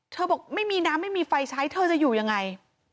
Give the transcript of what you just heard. บอกไม่มีน้ำไม่มีไฟใช้เธอจะอยู่ยังไง